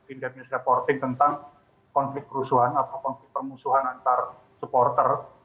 independent reporting tentang konflik kerusuhan atau konflik permusuhan antar supporter